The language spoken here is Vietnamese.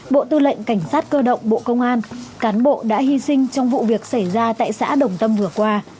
bộ tư lệnh cảnh sát cơ động bộ công an cán bộ đã hy sinh trong vụ việc xảy ra tại xã đồng tâm vừa qua